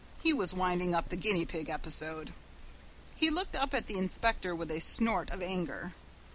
He was winding up the guinea pig episode. He looked up at the inspector with a snort of anger.